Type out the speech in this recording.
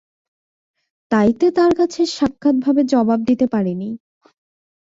তাইতে তার কাছে সাক্ষাৎভাবে জবাব দিতে পারিনি।